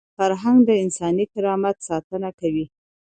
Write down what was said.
فرهنګ د انساني کرامت ساتنه کوي.